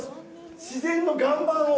自然の岩盤を。